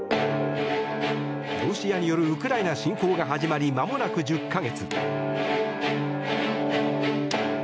ロシアによるウクライナ侵攻が始まりまもなく１０か月。